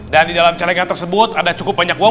dan di dalam celenggan tersebut ada cukup banyak uang